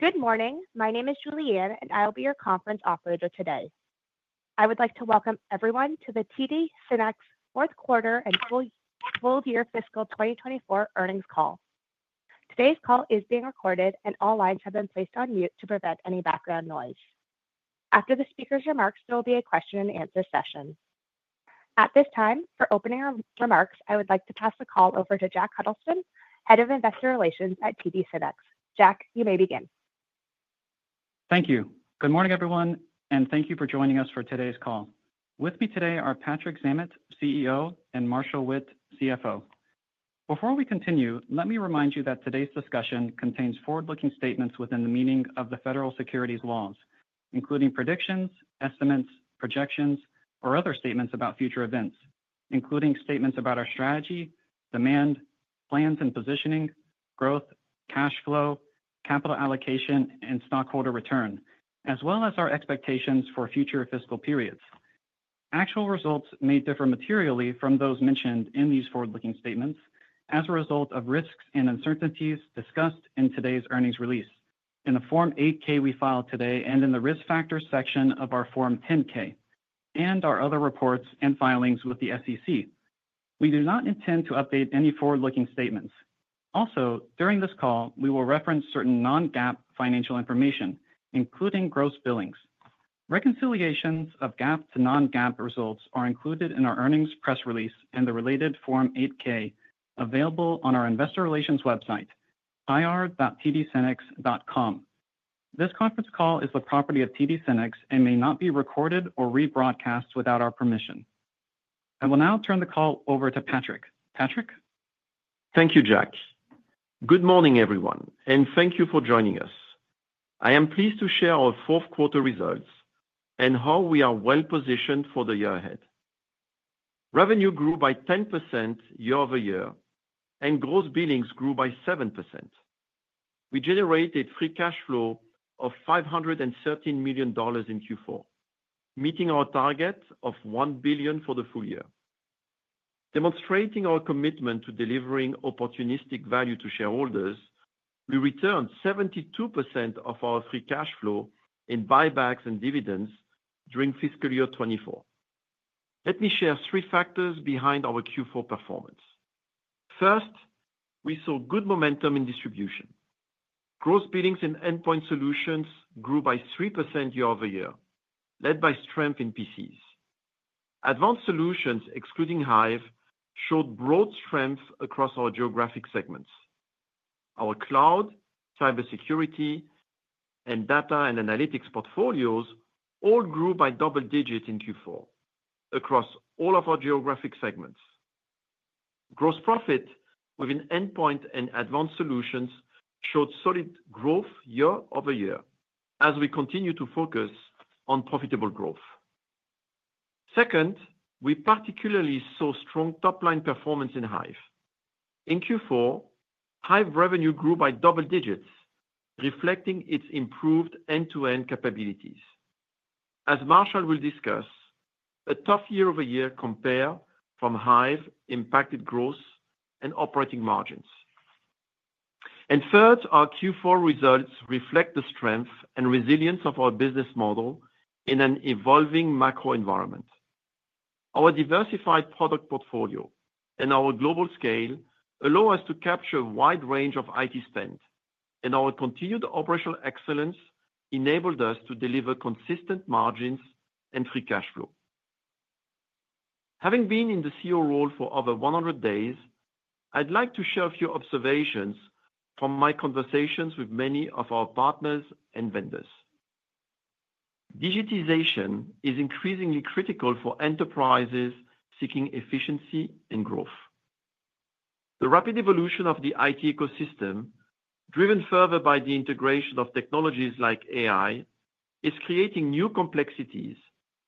Good morning. My name is Juliet, and I'll be your conference operator today. I would like to welcome everyone to the TD SYNNEX fourth quarter and full year fiscal 2024 earnings call. Today's call is being recorded, and all lines have been placed on mute to prevent any background noise. After the speaker's remarks, there will be a question and answer session. At this time, for opening remarks, I would like to pass the call over to Jack Huddleston, Head of Investor Relations at TD SYNNEX. Jack, you may begin. Thank you. Good morning, everyone, and thank you for joining us for today's call. With me today are Patrick Zammit, CEO, and Marshall Witt, CFO. Before we continue, let me remind you that today's discussion contains forward-looking statements within the meaning of the federal securities laws, including predictions, estimates, projections, or other statements about future events, including statements about our strategy, demand, plans and positioning, growth, cash flow, capital allocation, and stockholder return, as well as our expectations for future fiscal periods. Actual results may differ materially from those mentioned in these forward-looking statements as a result of risks and uncertainties discussed in today's earnings release, in the Form 8-K we filed today, and in the risk factors section of our Form 10-K, and our other reports and filings with the SEC. We do not intend to update any forward-looking statements. Also, during this call, we will reference certain non-GAAP financial information, including gross billings. Reconciliations of GAAP to non-GAAP results are included in our earnings press release and the related Form 8-K available on our investor relations website, ir.tdsynnex.com. This conference call is the property of TD SYNNEX and may not be recorded or rebroadcast without our permission. I will now turn the call over to Patrick. Patrick? Thank you, Jack. Good morning, everyone, and thank you for joining us. I am pleased to share our fourth quarter results and how we are well positioned for the year ahead. Revenue grew by 10% year over year, and gross billings grew by 7%. We generated free cash flow of $513 million in Q4, meeting our target of $1 billion for the full year. Demonstrating our commitment to delivering opportunistic value to shareholders, we returned 72% of our free cash flow in buybacks and dividends during fiscal year 2024. Let me share three factors behind our Q4 performance. First, we saw good momentum in distribution. Gross billings in Endpoint Solutions grew by 3% year over year, led by strength in PCs. Advanced Solutions, excluding Hyve, showed broad strength across our geographic segments. Our cloud, cybersecurity, and data and analytics portfolios all grew by double digits in Q4 across all of our geographic segments. Gross profit within Endpoint and Advanced Solutions showed solid growth year over year as we continue to focus on profitable growth. Second, we particularly saw strong top-line performance in Hyve. In Q4, Hyve revenue grew by double digits, reflecting its improved end-to-end capabilities. As Marshall will discuss, a tough year over year compare from Hyve impacted growth and operating margins. And third, our Q4 results reflect the strength and resilience of our business model in an evolving macro environment. Our diversified product portfolio and our global scale allow us to capture a wide range of IT spend, and our continued operational excellence enabled us to deliver consistent margins and free cash flow. Having been in the CEO role for over 100 days, I'd like to share a few observations from my conversations with many of our partners and vendors. Digitization is increasingly critical for enterprises seeking efficiency and growth. The rapid evolution of the IT ecosystem, driven further by the integration of technologies like AI, is creating new complexities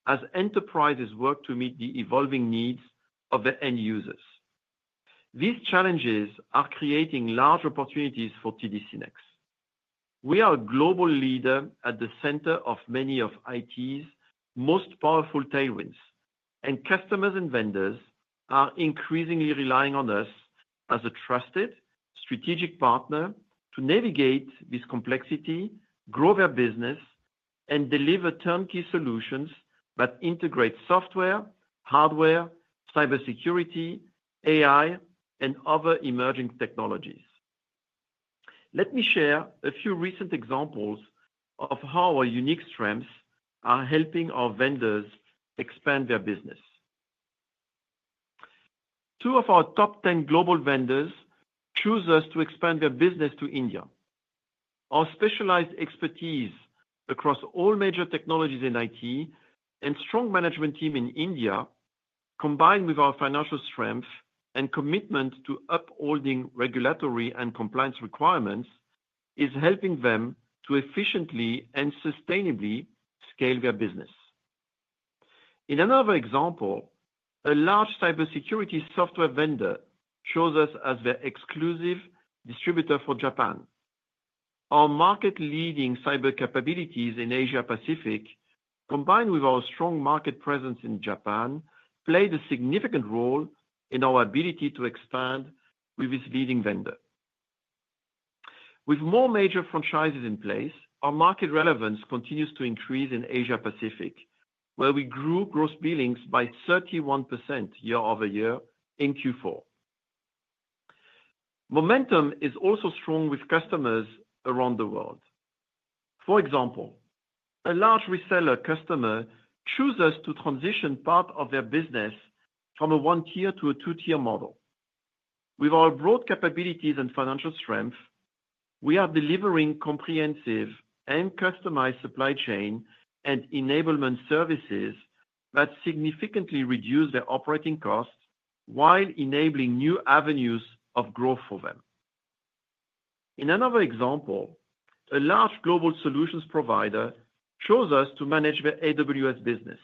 as enterprises work to meet the evolving needs of their end users. These challenges are creating large opportunities for TD SYNNEX. We are a global leader at the center of many of IT's most powerful tailwinds, and customers and vendors are increasingly relying on us as a trusted, strategic partner to navigate this complexity, grow their business, and deliver turnkey solutions that integrate software, hardware, cybersecurity, AI, and other emerging technologies. Let me share a few recent examples of how our unique strengths are helping our vendors expand their business. Two of our top 10 global vendors chose us to expand their business to India. Our specialized expertise across all major technologies in IT and strong management team in India, combined with our financial strength and commitment to upholding regulatory and compliance requirements, is helping them to efficiently and sustainably scale their business. In another example, a large cybersecurity software vendor chose us as their exclusive distributor for Japan. Our market-leading cyber capabilities in Asia-Pacific, combined with our strong market presence in Japan, played a significant role in our ability to expand with this leading vendor. With more major franchises in place, our market relevance continues to increase in Asia-Pacific, where we grew gross billings by 31% year over year in Q4. Momentum is also strong with customers around the world. For example, a large reseller customer chose us to transition part of their business from a one-tier to a two-tier model. With our broad capabilities and financial strength, we are delivering comprehensive and customized supply chain and enablement services that significantly reduce their operating costs while enabling new avenues of growth for them. In another example, a large global solutions provider chose us to manage their AWS business.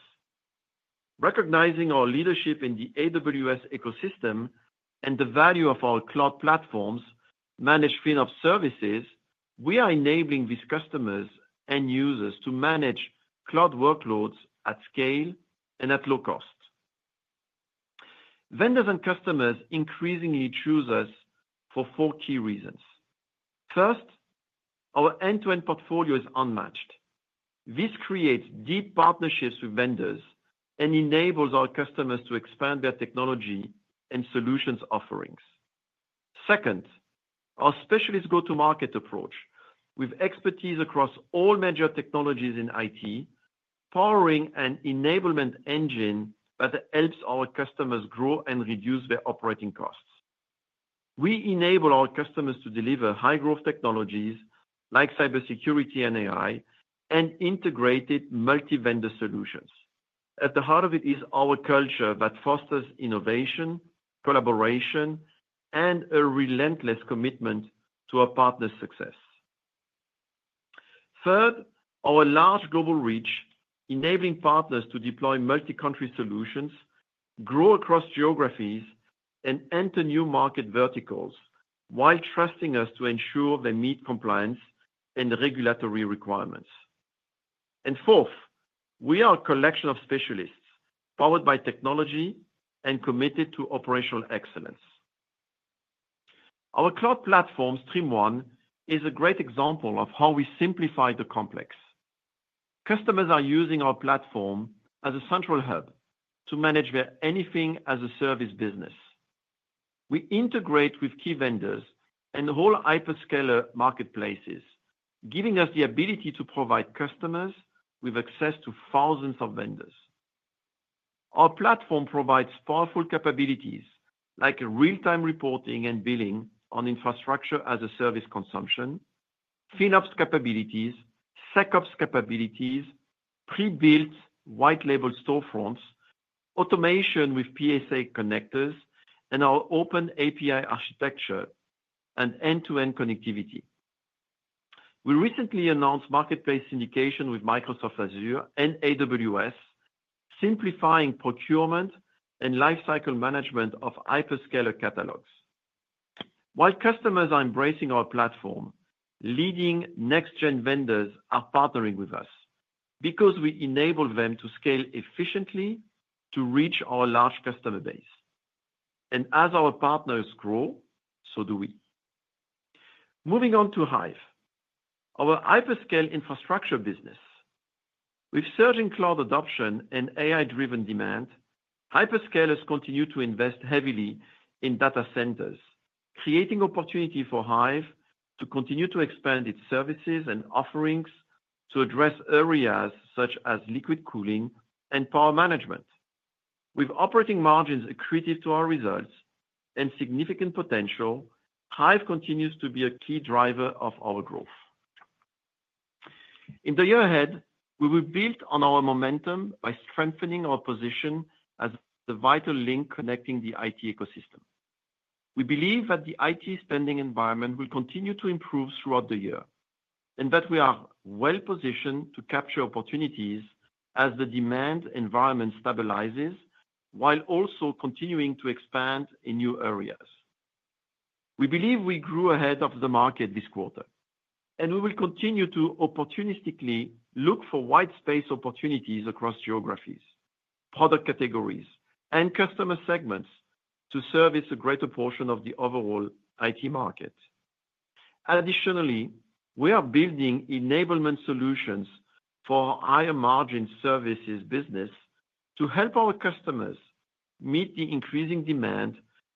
Recognizing our leadership in the AWS ecosystem and the value of our cloud platforms, managed FinOps services, we are enabling these customers and users to manage cloud workloads at scale and at low cost. Vendors and customers increasingly choose us for four key reasons. First, our end-to-end portfolio is unmatched. This creates deep partnerships with vendors and enables our customers to expand their technology and solutions offerings. Second, our specialist go-to-market approach with expertise across all major technologies in IT, powering an enablement engine that helps our customers grow and reduce their operating costs. We enable our customers to deliver high-growth technologies like cybersecurity and AI and integrated multi-vendor solutions. At the heart of it is our culture that fosters innovation, collaboration, and a relentless commitment to our partners' success. Third, our large global reach, enabling partners to deploy multi-country solutions, grow across geographies, and enter new market verticals while trusting us to ensure they meet compliance and regulatory requirements. And fourth, we are a collection of specialists powered by technology and committed to operational excellence. Our cloud platform, StreamOne, is a great example of how we simplify the complex. Customers are using our platform as a central hub to manage their anything-as-a-service business. We integrate with key vendors and whole hyperscaler marketplaces, giving us the ability to provide customers with access to thousands of vendors. Our platform provides powerful capabilities like real-time reporting and billing on infrastructure-as-a-service consumption, FinOps capabilities, SecOps capabilities, pre-built white-label storefronts, automation with PSA connectors, and our open API architecture and end-to-end connectivity. We recently announced marketplace syndication with Microsoft Azure and AWS, simplifying procurement and lifecycle management of hyperscaler catalogs. While customers are embracing our platform, leading next-gen vendors are partnering with us because we enable them to scale efficiently to reach our large customer base. And as our partners grow, so do we. Moving on to Hyve, our hyperscale infrastructure business. With surging cloud adoption and AI-driven demand, hyperscalers continue to invest heavily in data centers, creating opportunity for Hyve to continue to expand its services and offerings to address areas such as liquid cooling and power management. With operating margins accretive to our results and significant potential, Hyve continues to be a key driver of our growth. In the year ahead, we will build on our momentum by strengthening our position as the vital link connecting the IT ecosystem. We believe that the IT spending environment will continue to improve throughout the year and that we are well positioned to capture opportunities as the demand environment stabilizes while also continuing to expand in new areas. We believe we grew ahead of the market this quarter, and we will continue to opportunistically look for white space opportunities across geographies, product categories, and customer segments to service a greater portion of the overall IT market. Additionally, we are building enablement solutions for higher margin services business to help our customers meet the increasing demand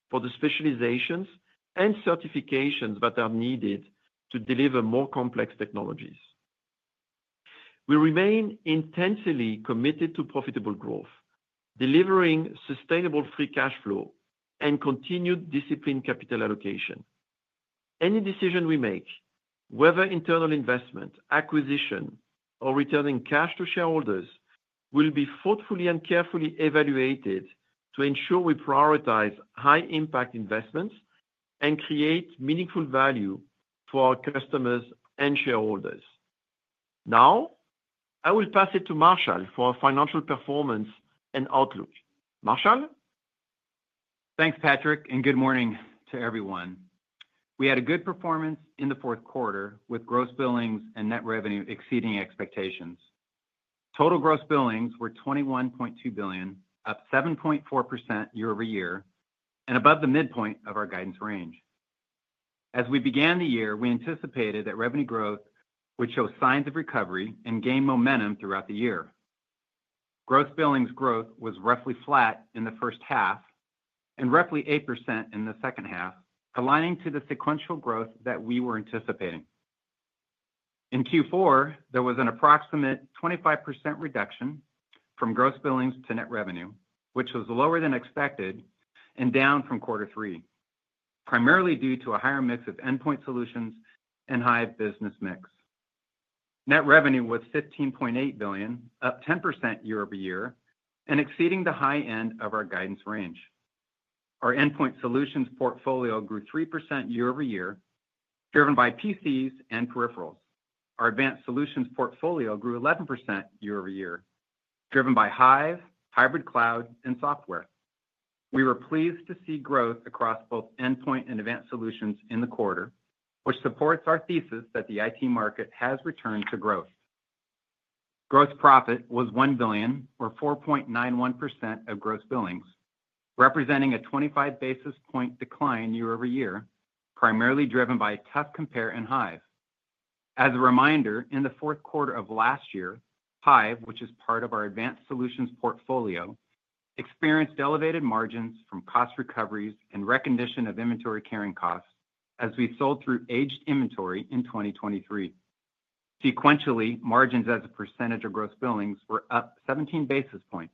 for the specializations and certifications that are needed to deliver more complex technologies. We remain intensely committed to profitable growth, delivering sustainable free cash flow and continued disciplined capital allocation. Any decision we make, whether internal investment, acquisition, or returning cash to shareholders, will be thoughtfully and carefully evaluated to ensure we prioritize high-impact investments and create meaningful value for our customers and shareholders. Now, I will pass it to Marshall for our financial performance and outlook. Marshall? Thanks, Patrick, and good morning to everyone. We had a good performance in the fourth quarter with gross billings and net revenue exceeding expectations. Total gross billings were $21.2 billion, up 7.4% year over year, and above the midpoint of our guidance range. As we began the year, we anticipated that revenue growth would show signs of recovery and gain momentum throughout the year. Gross billings growth was roughly flat in the first half and roughly 8% in the second half, aligning to the sequential growth that we were anticipating. In Q4, there was an approximate 25% reduction from gross billings to net revenue, which was lower than expected and down from quarter three, primarily due to a higher mix of Endpoint Solutions and Hyve business mix. Net revenue was $15.8 billion, up 10% year over year, and exceeding the high end of our guidance range. Our Endpoint Solutions portfolio grew 3% year over year, driven by PCs and peripherals. Our Advanced Solutions portfolio grew 11% year over year, driven by Hyve, hybrid cloud, and software. We were pleased to see growth across both endpoint and Advanced Solutions in the quarter, which supports our thesis that the IT market has returned to growth. Gross profit was $1 billion, or 4.91% of gross billings, representing a 25 basis points decline year over year, primarily driven by tough compare and Hyve. As a reminder, in the fourth quarter of last year, Hyve, which is part of our Advanced Solutions portfolio, experienced elevated margins from cost recoveries and reconciliation of inventory carrying costs as we sold through aged inventory in 2023. Sequentially, margins as a percentage of gross billings were up 17 basis points.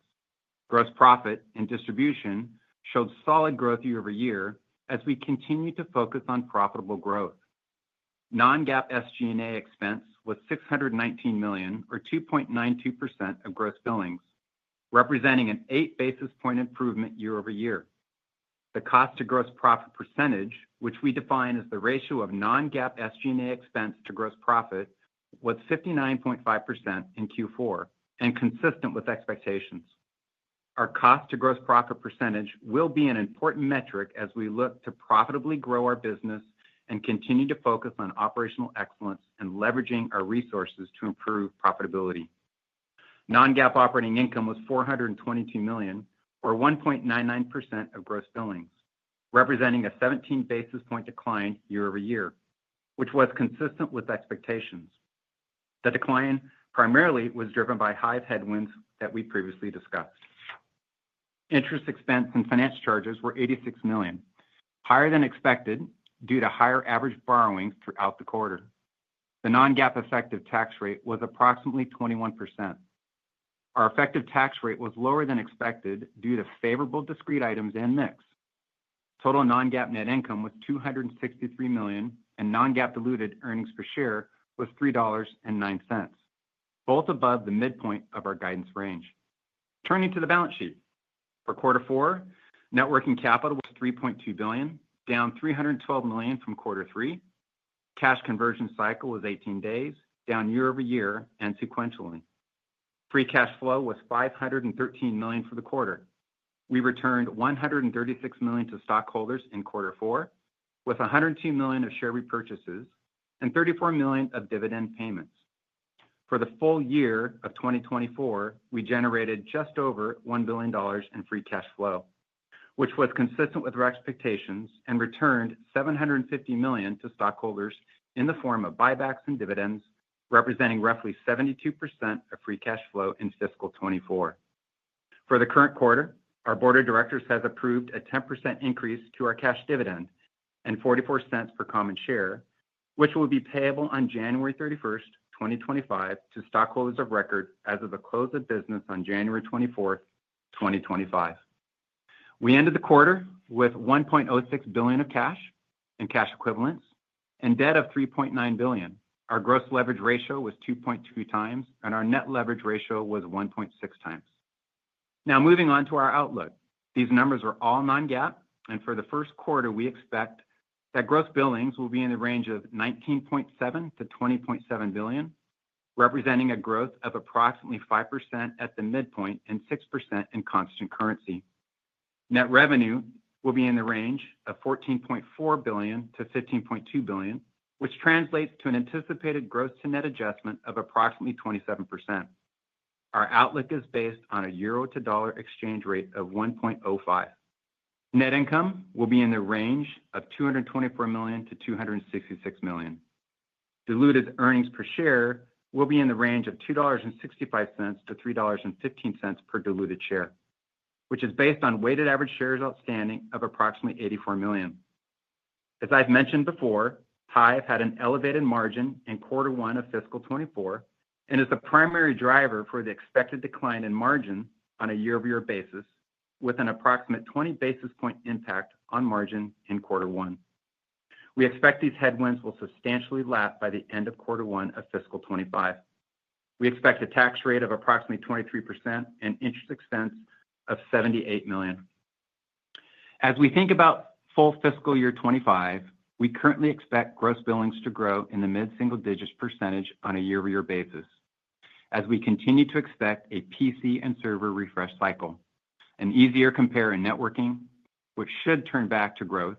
Gross profit and distribution showed solid growth year over year as we continued to focus on profitable growth. Non-GAAP SG&A expense was $619 million, or 2.92% of gross billings, representing an 8 basis points improvement year over year. The cost-to-gross profit percentage, which we define as the ratio of non-GAAP SG&A expense to gross profit, was 59.5% in Q4 and consistent with expectations. Our cost-to-gross profit percentage will be an important metric as we look to profitably grow our business and continue to focus on operational excellence and leveraging our resources to improve profitability. Non-GAAP operating income was $422 million, or 1.99% of gross billings, representing a 17 basis points decline year over year, which was consistent with expectations. The decline primarily was driven by Hyve headwinds that we previously discussed. Interest expense and finance charges were $86 million, higher than expected due to higher average borrowing throughout the quarter. The non-GAAP effective tax rate was approximately 21%. Our effective tax rate was lower than expected due to favorable discrete items and mix. Total non-GAAP net income was $263 million, and non-GAAP diluted earnings per share was $3.09, both above the midpoint of our guidance range. Turning to the balance sheet, for quarter four, net working capital was $3.2 billion, down $312 million from quarter three. Cash conversion cycle was 18 days, down year over year and sequentially. Free cash flow was $513 million for the quarter. We returned $136 million to stockholders in quarter four, with $102 million of share repurchases and $34 million of dividend payments. For the full year of 2024, we generated just over $1 billion in free cash flow, which was consistent with our expectations and returned $750 million to stockholders in the form of buybacks and dividends, representing roughly 72% of free cash flow in fiscal 24. For the current quarter, our board of directors has approved a 10% increase to our cash dividend and $0.44 per common share, which will be payable on January 31, 2025, to stockholders of record as of the close of business on January 24, 2025. We ended the quarter with $1.06 billion of cash and cash equivalents and debt of $3.9 billion. Our gross leverage ratio was 2.2 times, and our net leverage ratio was 1.6 times. Now, moving on to our outlook, these numbers are all non-GAAP, and for the first quarter, we expect that gross billings will be in the range of $19.7-$20.7 billion, representing a growth of approximately 5% at the midpoint and 6% in constant currency. Net revenue will be in the range of $14.4-$15.2 billion, which translates to an anticipated gross-to-net adjustment of approximately 27%. Our outlook is based on a EUR to USD exchange rate of 1.05. Net income will be in the range of $224-$266 million. Diluted earnings per share will be in the range of $2.65-$3.15 per diluted share, which is based on weighted average shares outstanding of approximately 84 million. As I've mentioned before, Hyve had an elevated margin in quarter one of fiscal 2024 and is the primary driver for the expected decline in margin on a year-over-year basis, with an approximate 20 basis points impact on margin in quarter one. We expect these headwinds will substantially lap by the end of quarter one of fiscal 2025. We expect a tax rate of approximately 23% and interest expense of $78 million. As we think about full fiscal year 2025, we currently expect gross billings to grow in the mid-single digits % on a year-over-year basis, as we continue to expect a PC and server refresh cycle, an easier compare in networking, which should turn back to growth,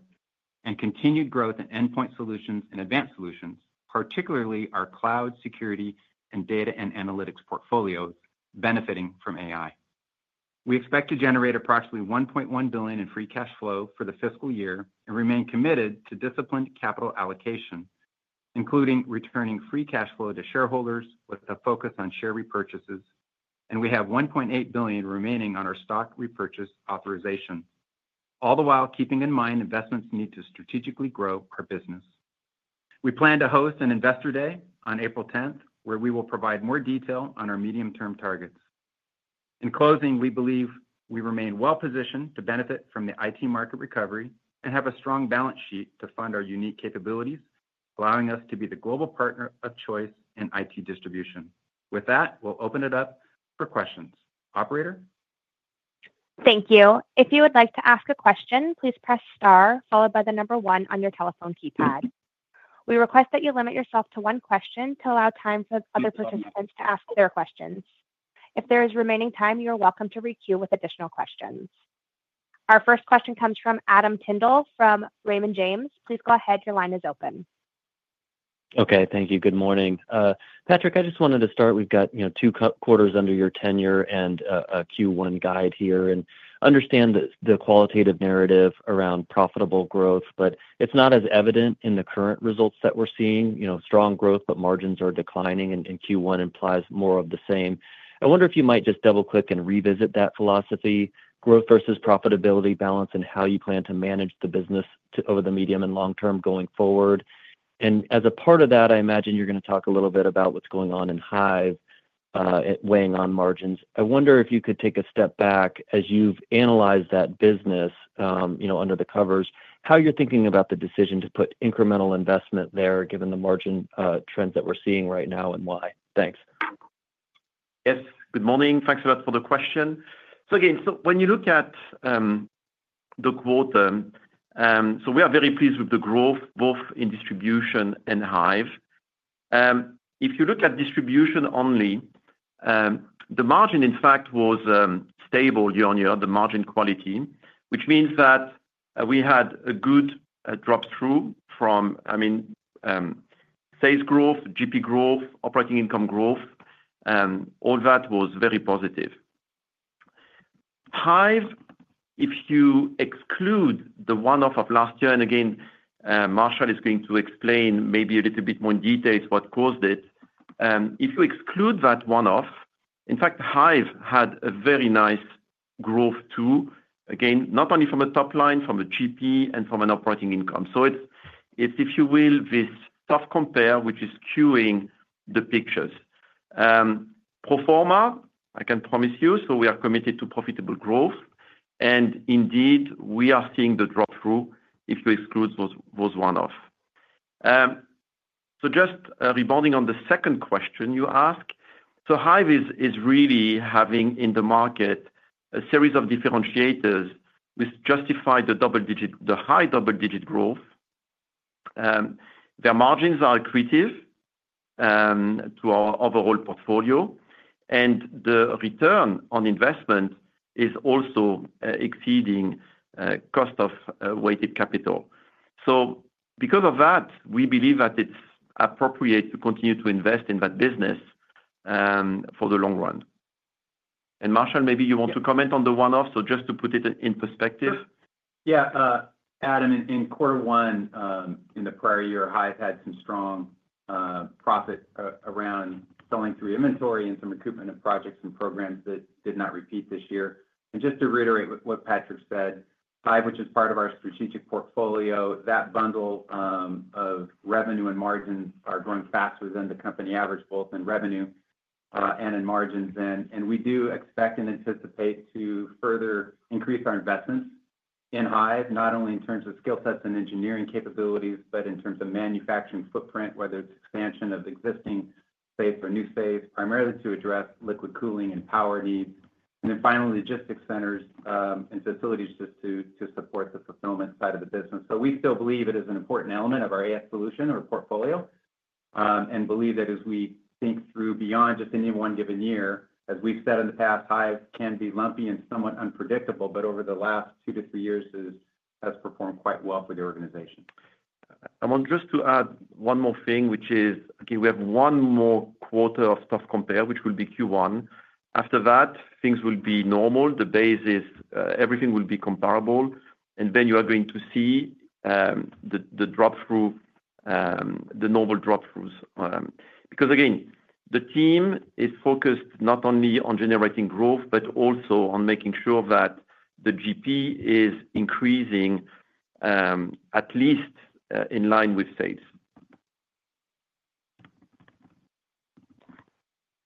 and continued growth in Endpoint Solutions and Advanced Solutions, particularly our cloud, security, and data and analytics portfolios benefiting from AI. We expect to generate approximately $1.1 billion in free cash flow for the fiscal year and remain committed to disciplined capital allocation, including returning free cash flow to shareholders with a focus on share repurchases, and we have $1.8 billion remaining on our stock repurchase authorization, all the while keeping in mind investments need to strategically grow our business. We plan to host an investor day on April 10, where we will provide more detail on our medium-term targets. In closing, we believe we remain well positioned to benefit from the IT market recovery and have a strong balance sheet to fund our unique capabilities, allowing us to be the global partner of choice in IT distribution. With that, we'll open it up for questions. Operator? Thank you. If you would like to ask a question, please press star, followed by the number one on your telephone keypad. We request that you limit yourself to one question to allow time for other participants to ask their questions. If there is remaining time, you are welcome to re-queue with additional questions. Our first question comes from Adam Tindle from Raymond James. Please go ahead. Your line is open. Okay. Thank you. Good morning. Patrick, I just wanted to start. We've got two quarters under your tenure and a Q1 guide here. And I understand the qualitative narrative around profitable growth, but it's not as evident in the current results that we're seeing. Strong growth, but margins are declining, and Q1 implies more of the same. I wonder if you might just double-click and revisit that philosophy, growth versus profitability balance, and how you plan to manage the business over the medium and long term going forward. And as a part of that, I imagine you're going to talk a little bit about what's going on in Hyve weighing on margins. I wonder if you could take a step back as you've analyzed that business under the covers, how you're thinking about the decision to put incremental investment there given the margin trends that we're seeing right now and why? Thanks. Yes. Good morning. Thanks a lot for the question. So again, when you look at the quarter, we are very pleased with the growth, both in distribution and Hyve. If you look at distribution only, the margin, in fact, was stable year on year. The margin quality, which means that we had a good drop-through from, I mean, sales growth, GP growth, operating income growth. All that was very positive. Hyve, if you exclude the one-off of last year, and again, Marshall is going to explain maybe a little bit more in detail what caused it. If you exclude that one-off, in fact, Hyve had a very nice growth too, again, not only from a top line, from a GP, and from an operating income. So it's, if you will, this tough compare which is skewing the picture. Pro forma, I can promise you, so we are committed to profitable growth. Indeed, we are seeing the drop-through if you exclude those one-offs. Just rebounding on the second question you asked, Hyve is really having in the market a series of differentiators which justify the high double-digit growth. Their margins are accretive to our overall portfolio, and the return on investment is also exceeding cost of weighted capital. Because of that, we believe that it is appropriate to continue to invest in that business for the long run. Marshall, maybe you want to comment on the one-off, just to put it in perspective. Yeah. Adam, in quarter one in the prior year, Hyve had some strong profit around selling through inventory and some recruitment of projects and programs that did not repeat this year. And just to reiterate what Patrick said, Hyve, which is part of our strategic portfolio, that bundle of revenue and margins are growing faster than the company average, both in revenue and in margins then. And we do expect and anticipate to further increase our investments in Hyve, not only in terms of skill sets and engineering capabilities, but in terms of manufacturing footprint, whether it's expansion of existing space or new space, primarily to address liquid cooling and power needs. And then finally, logistics centers and facilities just to support the fulfillment side of the business. So we still believe it is an important element of our AS solution or portfolio and believe that as we think through beyond just any one given year, as we've said in the past, Hyve can be lumpy and somewhat unpredictable, but over the last two to three years, it has performed quite well for the organization. I want just to add one more thing, which is, again, we have one more quarter of tough compare, which will be Q1. After that, things will be normal. The basis, everything will be comparable. And then you are going to see the normal drop-throughs. Because again, the team is focused not only on generating growth, but also on making sure that the GP is increasing at least in line with sales.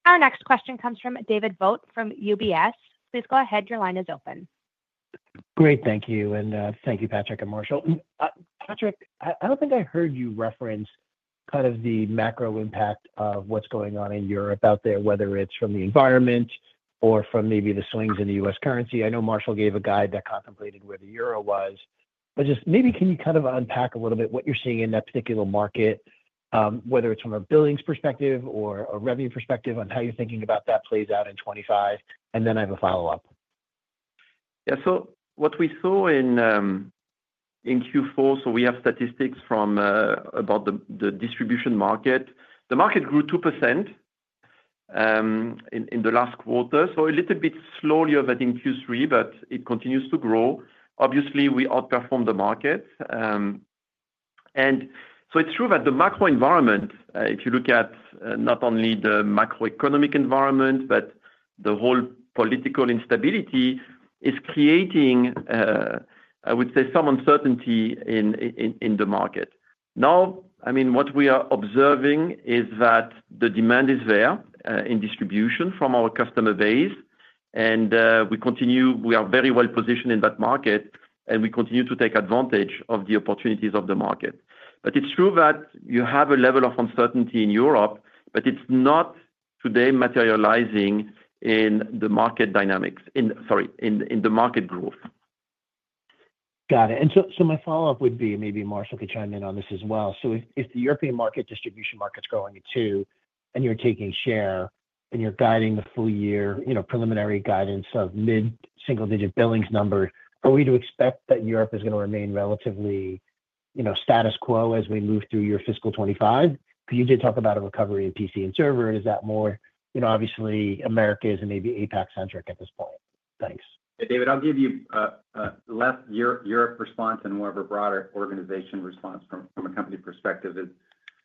Our next question comes from David Vogt from UBS. Please go ahead. Your line is open. Great. Thank you. And thank you, Patrick and Marshall. Patrick, I don't think I heard you reference kind of the macro impact of what's going on in Europe out there, whether it's from the environment or from maybe the swings in the U.S. currency. I know Marshall gave a guide that contemplated where the euro was. But just maybe can you kind of unpack a little bit what you're seeing in that particular market, whether it's from a billings perspective or a revenue perspective on how you're thinking about that plays out in 2025? And then I have a follow-up. Yeah. So what we saw in Q4, so we have statistics from about the distribution market. The market grew 2% in the last quarter, so a little bit slowly over in Q3, but it continues to grow. Obviously, we outperformed the market. And so it's true that the macro environment, if you look at not only the macroeconomic environment, but the whole political instability, is creating, I would say, some uncertainty in the market. Now, I mean, what we are observing is that the demand is there in distribution from our customer base. And we continue, we are very well positioned in that market, and we continue to take advantage of the opportunities of the market. But it's true that you have a level of uncertainty in Europe, but it's not today materializing in the market dynamics, sorry, in the market growth. Got it. And so my follow-up would be maybe Marshall could chime in on this as well. So if the European market distribution market's growing too, and you're taking share, and you're guiding the full-year preliminary guidance of mid-single digit billings number, are we to expect that Europe is going to remain relatively status quo as we move through your fiscal 2025? Because you did talk about a recovery in PC and server. Is that more obviously America is maybe APAC-centric at this point? Thanks. David, I'll give you a Europe response and more of a broader organization response from a company perspective.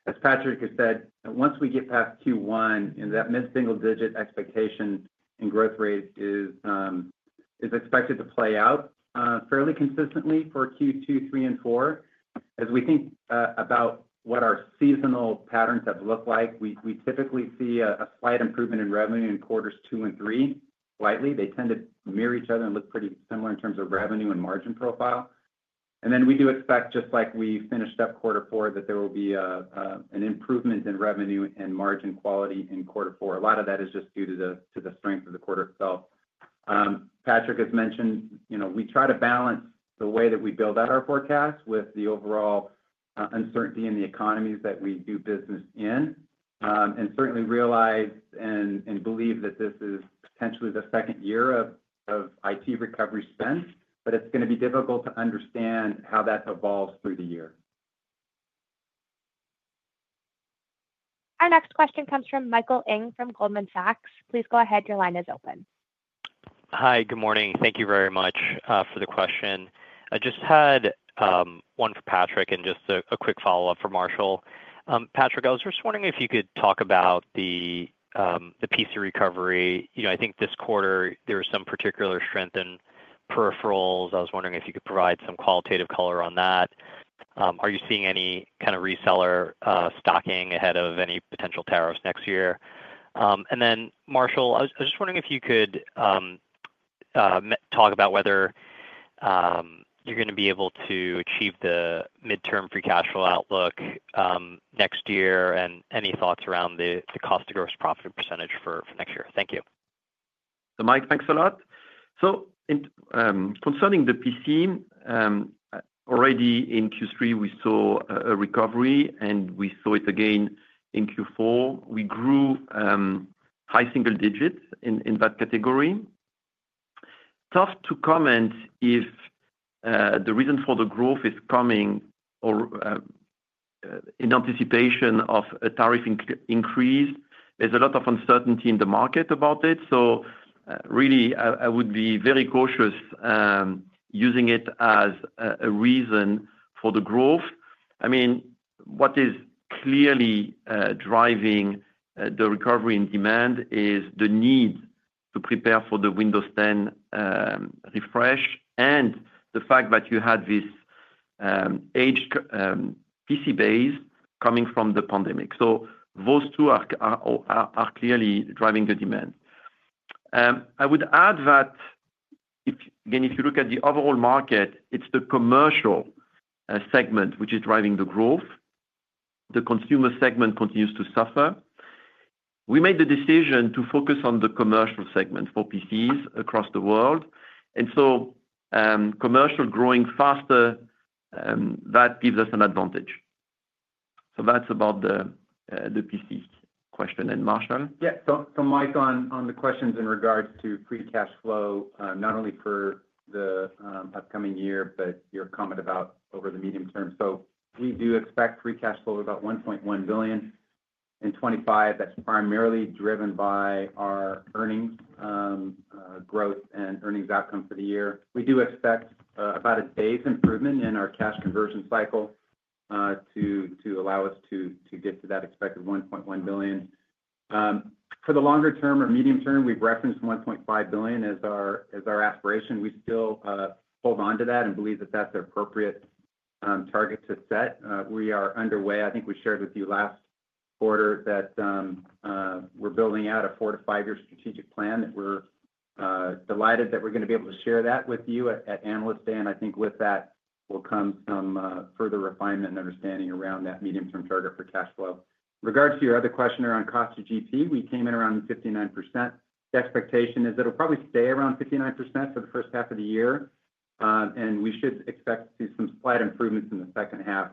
As Patrick has said, once we get past Q1, that mid-single digit expectation in growth rate is expected to play out fairly consistently for Q2, 3, and 4. As we think about what our seasonal patterns have looked like, we typically see a slight improvement in revenue in quarters 2 and 3, slightly. They tend to mirror each other and look pretty similar in terms of revenue and margin profile. And then we do expect, just like we finished up quarter 4, that there will be an improvement in revenue and margin quality in quarter 4. A lot of that is just due to the strength of the quarter itself. Patrick has mentioned we try to balance the way that we build out our forecast with the overall uncertainty in the economies that we do business in, and certainly realize and believe that this is potentially the second year of IT recovery spend, but it's going to be difficult to understand how that evolves through the year. Our next question comes from Michael Ng from Goldman Sachs. Please go ahead. Your line is open. Hi. Good morning. Thank you very much for the question. I just had one for Patrick and just a quick follow-up for Marshall. Patrick, I was just wondering if you could talk about the PC recovery. I think this quarter, there was some particular strength in peripherals. I was wondering if you could provide some qualitative color on that. Are you seeing any kind of reseller stocking ahead of any potential tariffs next year? And then, Marshall, I was just wondering if you could talk about whether you're going to be able to achieve the midterm free cash flow outlook next year and any thoughts around the cost of gross profit percentage for next year. Thank you. So, Mike, thanks a lot. So concerning the PC, already in Q3, we saw a recovery, and we saw it again in Q4. We grew high single digits in that category. Tough to comment if the reason for the growth is coming in anticipation of a tariff increase. There's a lot of uncertainty in the market about it. So really, I would be very cautious using it as a reason for the growth. I mean, what is clearly driving the recovery in demand is the need to prepare for the Windows 10 refresh and the fact that you had this aged PC base coming from the pandemic. So those two are clearly driving the demand. I would add that, again, if you look at the overall market, it's the commercial segment which is driving the growth. The consumer segment continues to suffer. We made the decision to focus on the commercial segment for PCs across the world, and so commercial growing faster, that gives us an advantage, so that's about the PC question, and Marshall? Yeah. So Mike, on the questions in regards to free cash flow, not only for the upcoming year, but your comment about over the medium term. So we do expect free cash flow of about $1.1 billion in 2025. That's primarily driven by our earnings growth and earnings outcome for the year. We do expect about a base improvement in our cash conversion cycle to allow us to get to that expected $1.1 billion. For the longer term or medium term, we've referenced $1.5 billion as our aspiration. We still hold on to that and believe that that's an appropriate target to set. We are underway. I think we shared with you last quarter that we're building out a four-to-five-year strategic plan that we're delighted that we're going to be able to share that with you at Analyst Day. I think with that will come some further refinement and understanding around that medium-term target for cash flow. In regards to your other question around cost of GP, we came in around 59%. The expectation is that it'll probably stay around 59% for the first half of the year, and we should expect to see some slight improvements in the second half.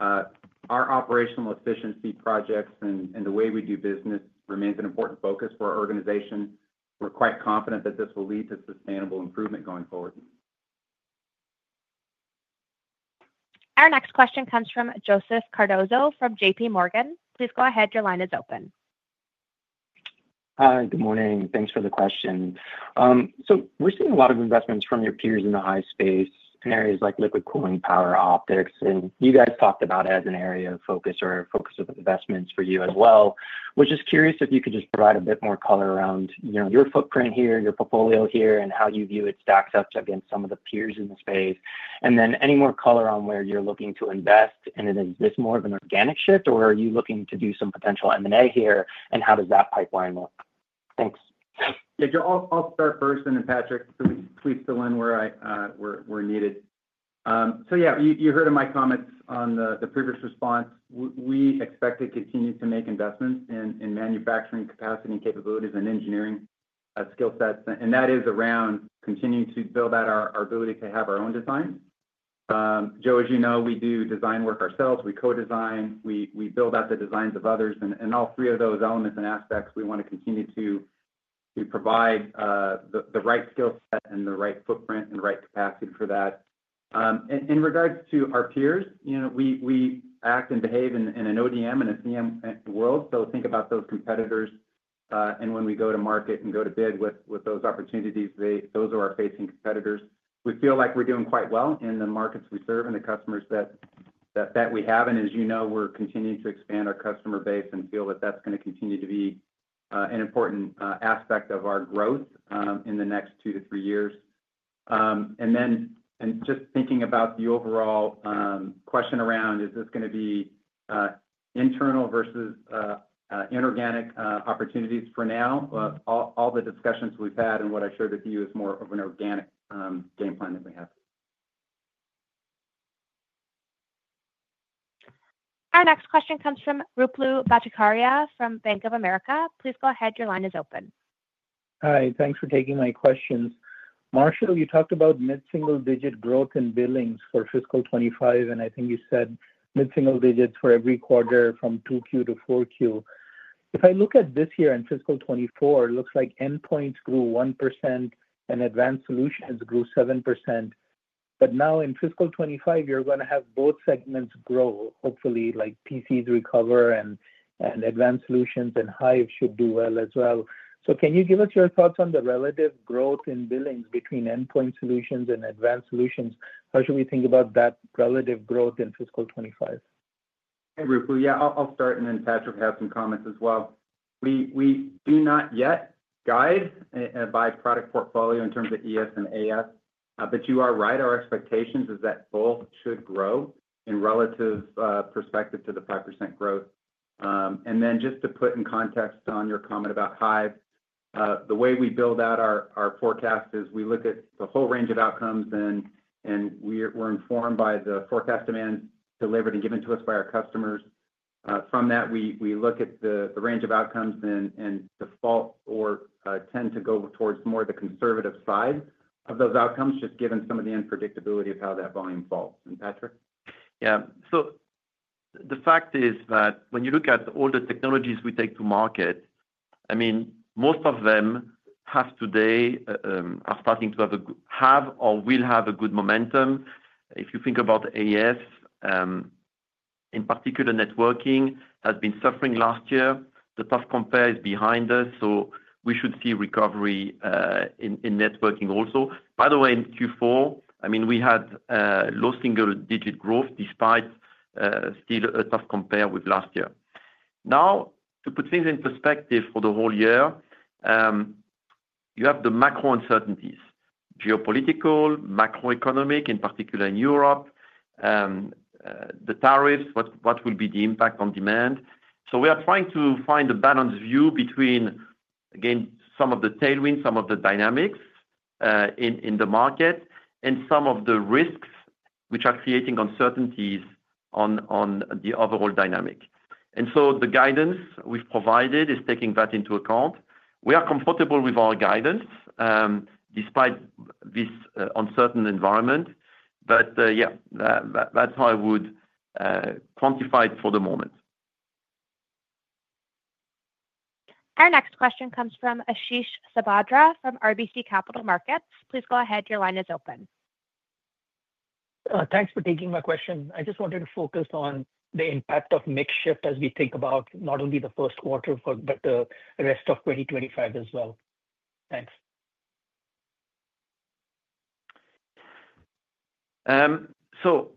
Our operational efficiency projects and the way we do business remains an important focus for our organization. We're quite confident that this will lead to sustainable improvement going forward. Our next question comes from Joseph Cardoso from J.P. Morgan. Please go ahead. Your line is open. Hi. Good morning. Thanks for the question. So we're seeing a lot of investments from your peers in the AI space in areas like liquid cooling, power, optics. And you guys talked about it as an area of focus or a focus of investments for you as well. We're just curious if you could just provide a bit more color around your footprint here, your portfolio here, and how you view it stacks up against some of the peers in the space. And then any more color on where you're looking to invest? And is this more of an organic shift, or are you looking to do some potential M&A here, and how does that pipeline look? Thanks. Yeah. I'll start first, and then Patrick, please fill in where we're needed. So yeah, you heard in my comments on the previous response, we expect to continue to make investments in manufacturing capacity and capabilities and engineering skill sets. And that is around continuing to build out our ability to have our own designs. Joe, as you know, we do design work ourselves. We co-design. We build out the designs of others. And all three of those elements and aspects, we want to continue to provide the right skill set and the right footprint and the right capacity for that. In regards to our peers, we act and behave in an ODM and a CM world. So think about those competitors. And when we go to market and go to bid with those opportunities, those are our facing competitors. We feel like we're doing quite well in the markets we serve and the customers that we have. As you know, we're continuing to expand our customer base and feel that that's going to continue to be an important aspect of our growth in the next two to three years. Then just thinking about the overall question around, is this going to be internal versus inorganic opportunities for now? All the discussions we've had and what I shared with you is more of an organic game plan that we have. Our next question comes from Ruplu Bhattacharya from Bank of America. Please go ahead. Your line is open. Hi. Thanks for taking my questions. Marshall, you talked about mid-single digit growth in billings for fiscal 2025, and I think you said mid-single digits for every quarter from 2Q to 4Q. If I look at this year and fiscal 2024, it looks like endpoints grew 1% and Advanced Solutions grew 7%. But now in fiscal 2025, you're going to have both segments grow, hopefully, like PCs recover and Advanced Solutions and Hyve should do well as well. So can you give us your thoughts on the relative growth in billings between Endpoint Solutions and Advanced Solutions? How should we think about that relative growth in fiscal 2025? Hey, Ruplu. Yeah, I'll start, and then Patrick has some comments as well. We do not yet guide by product portfolio in terms of ES and AS. But you are right. Our expectation is that both should grow in relative perspective to the 5% growth. And then just to put in context on your comment about Hyve, the way we build out our forecast is we look at the whole range of outcomes, and we're informed by the forecast demands delivered and given to us by our customers. From that, we look at the range of outcomes and default or tend to go towards more of the conservative side of those outcomes, just given some of the unpredictability of how that volume falls. And Patrick? Yeah. So the fact is that when you look at all the technologies we take to market, I mean, most of them have today are starting to have or will have a good momentum. If you think about AS, in particular, networking has been suffering last year. The tough compare is behind us. So we should see recovery in networking also. By the way, in Q4, I mean, we had low single-digit growth despite still a tough compare with last year. Now, to put things in perspective for the whole year, you have the macro uncertainties, geopolitical, macroeconomic, in particular in Europe, the tariffs, what will be the impact on demand. So we are trying to find a balanced view between, again, some of the tailwinds, some of the dynamics in the market, and some of the risks which are creating uncertainties on the overall dynamic. The guidance we've provided is taking that into account. We are comfortable with our guidance despite this uncertain environment. Yeah, that's how I would quantify it for the moment. Our next question comes from Ashish Sabadra from RBC Capital Markets. Please go ahead. Your line is open. Thanks for taking my question. I just wanted to focus on the impact of macro shifts as we think about not only the first quarter, but the rest of 2025 as well. Thanks. So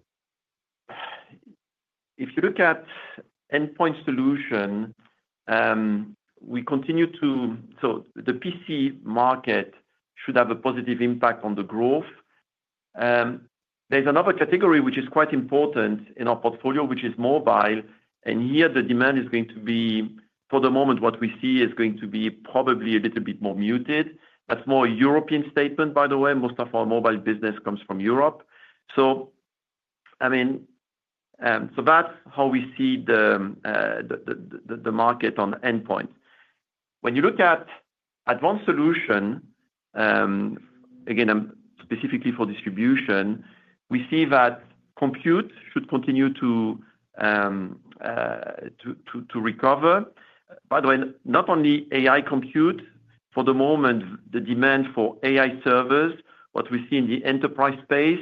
if you look at Endpoint Solutions, we continue to see the PC market should have a positive impact on the growth. There's another category which is quite important in our portfolio, which is mobile. And here, the demand is going to be, for the moment, what we see is going to be probably a little bit more muted. That's more a European statement, by the way. Most of our mobile business comes from Europe. So I mean, so that's how we see the market on endpoint. When you look at Advanced Solutions, again, specifically for distribution, we see that compute should continue to recover. By the way, not only AI compute. For the moment, the demand for AI servers, what we see in the enterprise space,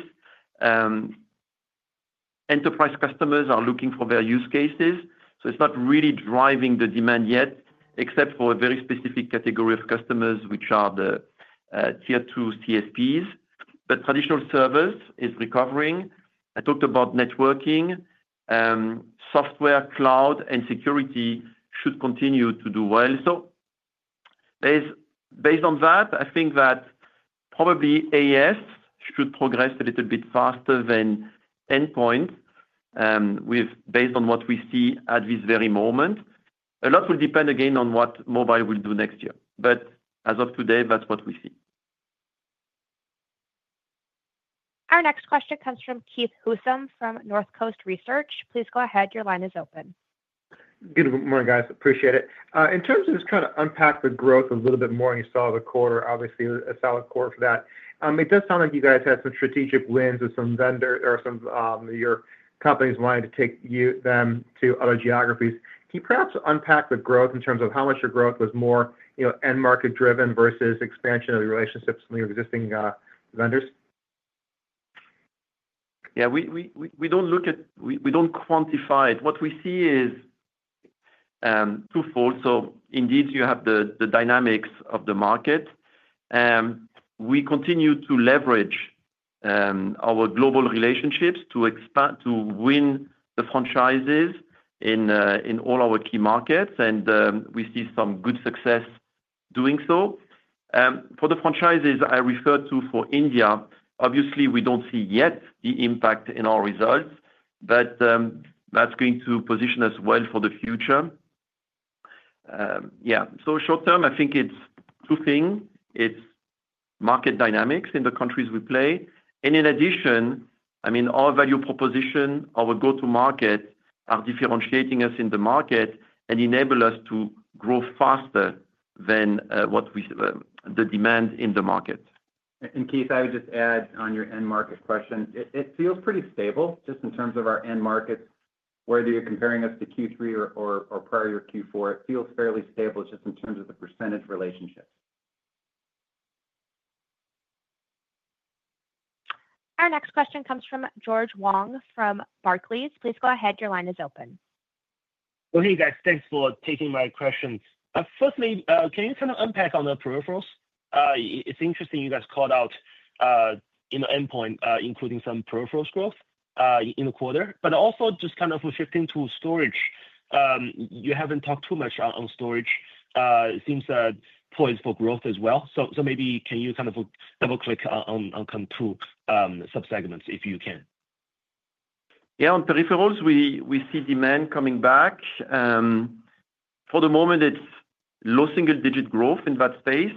enterprise customers are looking for their use cases. So it's not really driving the demand yet, except for a very specific category of customers, which are the tier two CSPs. But traditional servers is recovering. I talked about networking. Software, cloud, and security should continue to do well. So based on that, I think that probably AS should progress a little bit faster than endpoint based on what we see at this very moment. A lot will depend, again, on what mobile will do next year. But as of today, that's what we see. Our next question comes from Keith Housum from North Coast Research. Please go ahead. Your line is open. Good morning, guys. Appreciate it. In terms of just kind of unpack the growth a little bit more, you saw the quarter, obviously, a solid quarter for that. It does sound like you guys had some strategic wins with some vendors or some of your companies wanting to take them to other geographies. Can you perhaps unpack the growth in terms of how much your growth was more end-market driven versus expansion of the relationships with your existing vendors? Yeah. We don't quantify it. What we see is twofold. So indeed, you have the dynamics of the market. We continue to leverage our global relationships to win the franchises in all our key markets, and we see some good success doing so. For the franchises I referred to for India, obviously, we don't see yet the impact in our results, but that's going to position us well for the future. Yeah. So short term, I think it's two things. It's market dynamics in the countries we play. And in addition, I mean, our value proposition, our go-to-market are differentiating us in the market and enable us to grow faster than the demand in the market. And Keith, I would just add on your end-market question. It feels pretty stable just in terms of our end markets, whether you're comparing us to Q3 or prior year Q4. It feels fairly stable just in terms of the percentage relationships. Our next question comes from George Wang from Barclays. Please go ahead. Your line is open. Hey, guys. Thanks for taking my questions. Firstly, can you kind of unpack on the peripherals? It's interesting you guys called out endpoint, including some peripherals growth in the quarter. But also just kind of shifting to storage, you haven't talked too much on storage. It seems poised for growth as well. So maybe can you kind of double-click on kind of two subsegments if you can? Yeah. On peripherals, we see demand coming back. For the moment, it's low single-digit growth in that space.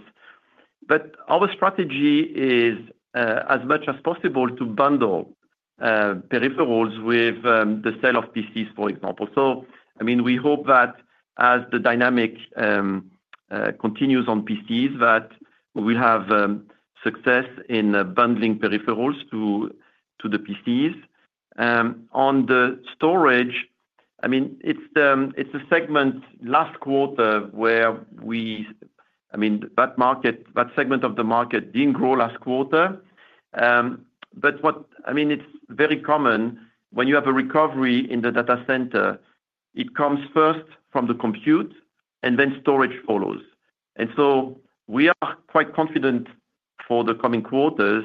But our strategy is, as much as possible, to bundle peripherals with the sale of PCs, for example. So I mean, we hope that as the dynamic continues on PCs, that we will have success in bundling peripherals to the PCs. On the storage, I mean, it's a segment last quarter where we, I mean, that segment of the market didn't grow last quarter. But I mean, it's very common when you have a recovery in the data center, it comes first from the compute, and then storage follows. And so we are quite confident for the coming quarters,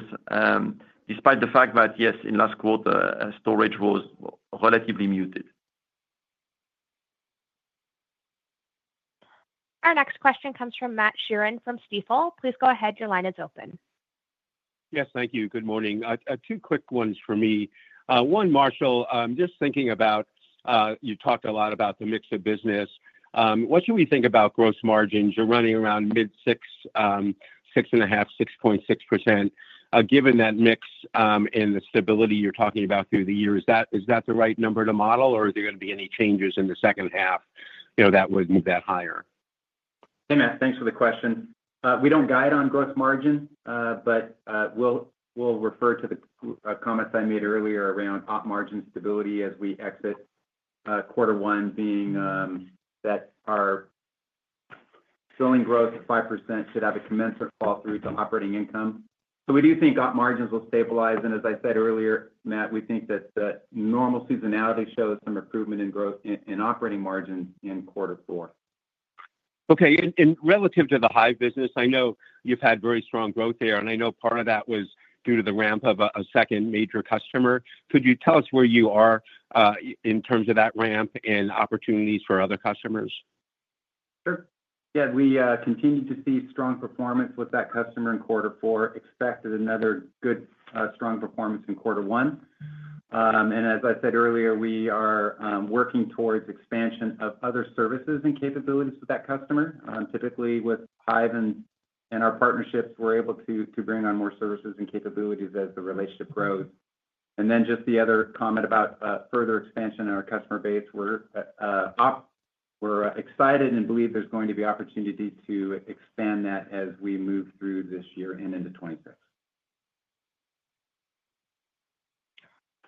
despite the fact that, yes, in last quarter, storage was relatively muted. Our next question comes from Matt Sheerin from Stifel. Please go ahead. Your line is open. Yes. Thank you. Good morning. Two quick ones for me. One, Marshall, I'm just thinking about you talked a lot about the mix of business. What should we think about gross margins? You're running around mid-6%, 6.5%, 6.6%. Given that mix and the stability you're talking about through the year, is that the right number to model, or are there going to be any changes in the second half that would move that higher? Hey, Matt. Thanks for the question. We don't guide on gross margin, but we'll refer to the comments I made earlier around op margin stability as we exit quarter one, being that our sales growth of 5% should have a commensurate flow through to operating income. So we do think op margins will stabilize, and as I said earlier, Matt, we think that normal seasonality shows some improvement in operating margins in quarter four. Okay. And relative to the Hyve business, I know you've had very strong growth there. And I know part of that was due to the ramp of a second major customer. Could you tell us where you are in terms of that ramp and opportunities for other customers? Sure. Yeah. We continue to see strong performance with that customer in quarter four. Expected another good strong performance in quarter one. And as I said earlier, we are working towards expansion of other services and capabilities with that customer. Typically, with Hyve and our partnerships, we're able to bring on more services and capabilities as the relationship grows. And then just the other comment about further expansion in our customer base, we're excited and believe there's going to be opportunities to expand that as we move through this year and into 2026.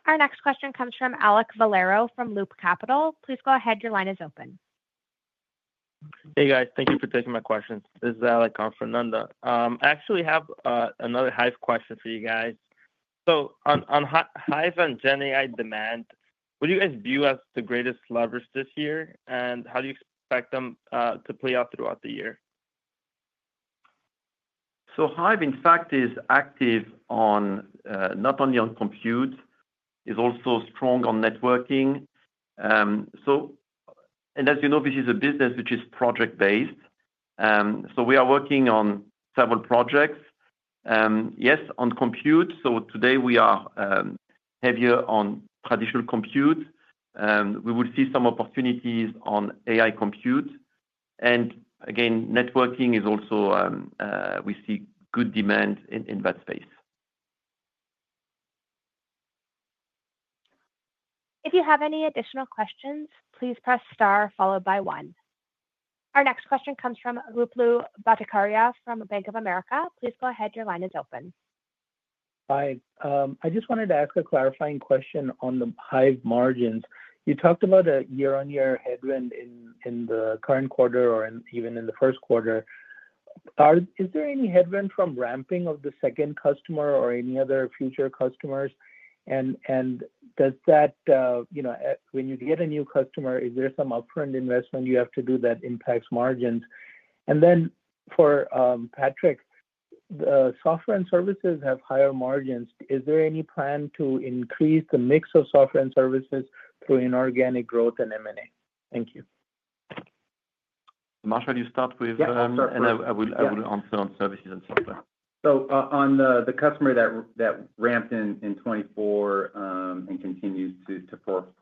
Our next question comes from Alec Valero from Loop Capital. Please go ahead. Your line is open. Hey, guys. Thank you for taking my questions. This is Alec from Loop Capital. I actually have another Hyve question for you guys. So on Hyve and GenAI demand, would you guys view as the greatest levers this year? And how do you expect them to play out throughout the year? Hyve, in fact, is active not only on compute, is also strong on networking. As you know, this is a business which is project-based. We are working on several projects. Yes, on compute. Today, we are heavier on traditional compute. We will see some opportunities on AI compute. Again, networking is also we see good demand in that space. If you have any additional questions, please press star followed by one. Our next question comes from Ruplu Bhattacharya from Bank of America. Please go ahead. Your line is open. Hi. I just wanted to ask a clarifying question on the Hyve margins. You talked about a year-on-year headwind in the current quarter or even in the first quarter. Is there any headwind from ramping of the second customer or any other future customers? And does that when you get a new customer, is there some upfront investment you have to do that impacts margins? And then for Patrick, the software and services have higher margins. Is there any plan to increase the mix of software and services through inorganic growth and M&A? Thank you. Marshall, you start with. Yeah. I'm sorry. I will answer on services and software. So on the customer that ramped in 2024 and continues to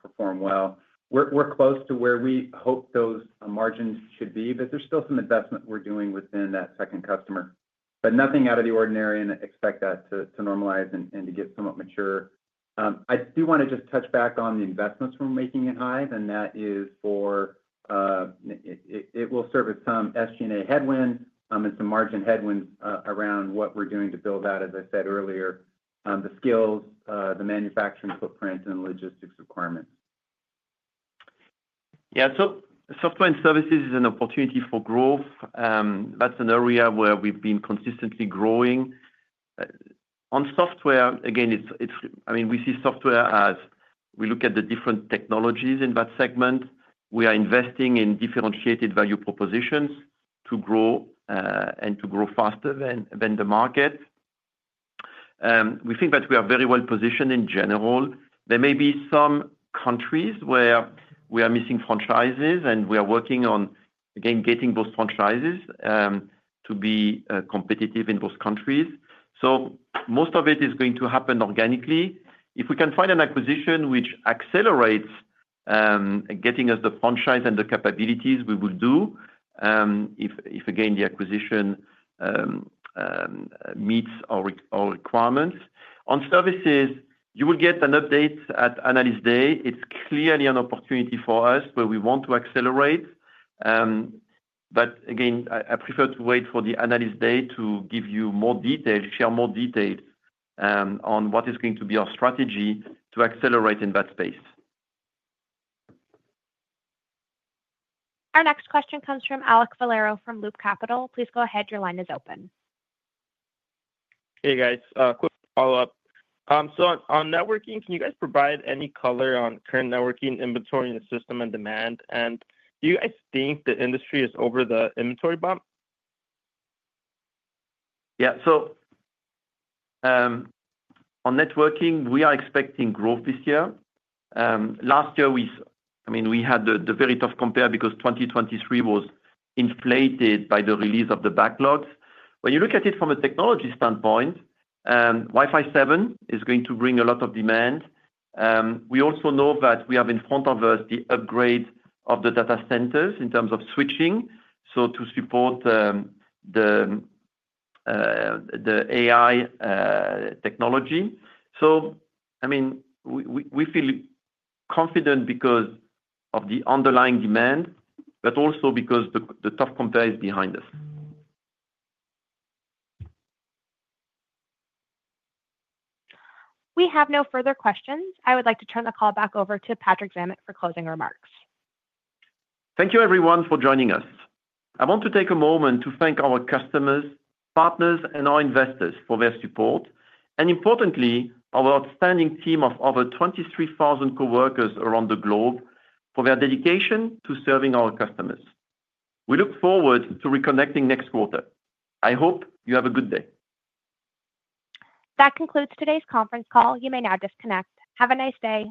perform well, we're close to where we hope those margins should be, but there's still some investment we're doing within that second customer. But nothing out of the ordinary, and expect that to normalize and to get somewhat mature. I do want to just touch back on the investments we're making in Hyve, and that is, for it will serve as some SG&A headwind and some margin headwinds around what we're doing to build out, as I said earlier, the skills, the manufacturing footprint, and the logistics requirements. Yeah. So software and services is an opportunity for growth. That's an area where we've been consistently growing. On software, again, I mean, we see software as we look at the different technologies in that segment. We are investing in differentiated value propositions to grow and to grow faster than the market. We think that we are very well positioned in general. There may be some countries where we are missing franchises, and we are working on, again, getting those franchises to be competitive in those countries. So most of it is going to happen organically. If we can find an acquisition which accelerates getting us the franchise and the capabilities, we will do it, again, the acquisition meets our requirements. On services, you will get an update at analyst day. It's clearly an opportunity for us where we want to accelerate. But again, I prefer to wait for the analyst day to give you more detail, share more details on what is going to be our strategy to accelerate in that space. Our next question comes from Alec Valero from Loop Capital. Please go ahead. Your line is open. Hey, guys. Quick follow-up. So on networking, can you guys provide any color on current networking inventory and system and demand? And do you guys think the industry is over the inventory bump? Yeah. So on networking, we are expecting growth this year. Last year, I mean, we had the very tough compare because 2023 was inflated by the release of the backlogs. When you look at it from a technology standpoint, Wi-Fi 7 is going to bring a lot of demand. We also know that we have in front of us the upgrade of the data centers in terms of switching, so to support the AI technology. So I mean, we feel confident because of the underlying demand, but also because the tough compare is behind us. We have no further questions. I would like to turn the call back over to Patrick Zammit for closing remarks. Thank you, everyone, for joining us. I want to take a moment to thank our customers, partners, and our investors for their support, and importantly, our outstanding team of over 23,000 coworkers around the globe for their dedication to serving our customers. We look forward to reconnecting next quarter. I hope you have a good day. That concludes today's conference call. You may now disconnect. Have a nice day.